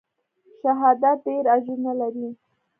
شهادت ډېر اجرونه لري.